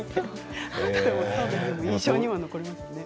印象には残りますよね。